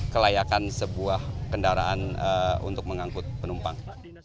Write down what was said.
kelayakan sebuah kendaraan untuk mengangkut penumpang